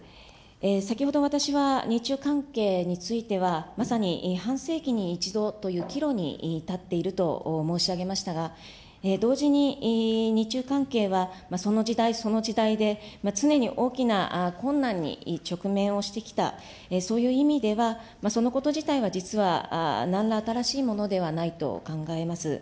先ほど私は、日中関係については、まさに半世紀に一度という岐路に立っていると申し上げましたが、同時に日中関係は、その時代その時代で、常に大きな困難に直面をしてきた、そういう意味では、そのこと自体は実はなんら新しいものではないと考えます。